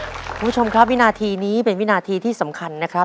คุณผู้ชมครับวินาทีนี้เป็นวินาทีที่สำคัญนะครับ